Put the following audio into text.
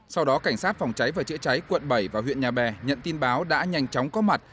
sau đó cảnh sát phòng cháy và chữa cháy quận bảy và huyện nhà bè nhận tin báo đã nhanh chóng có mặt